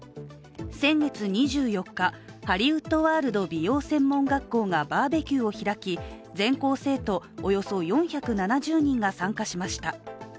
先月２４日、ハリウッドワールド美容専門学校がバーベキューを開き全校生徒およそ４７０人が参加しました。